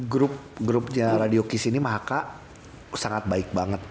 grup grupnya radio kiss ini mahaka sangat baik banget